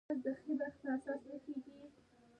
ازادي راډیو د د اوبو منابع کیسې وړاندې کړي.